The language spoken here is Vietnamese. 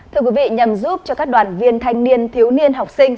thưa quý vị nhằm giúp cho các đoàn viên thanh niên thiếu niên học sinh